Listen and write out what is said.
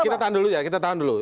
kita tahan dulu ya kita tahan dulu